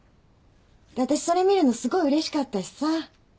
私それ見るのすごいうれしかったしさ。